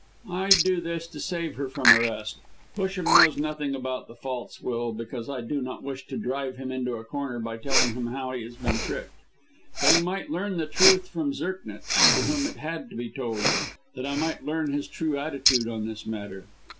I do this to save her from arrest. Busham knows nothing about the false will, because I do not wish to drive him into a corner by telling him how he has been tricked. But he might learn the truth from Zirknitz, to whom it had to be told, that I might learn his true attitude in this matter.